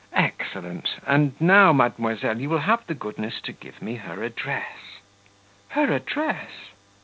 "Excellent! and now, mademoiselle, you will have the goodness to give me her address." "Her address!"